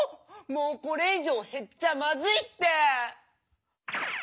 もうこれいじょうへっちゃまずいって！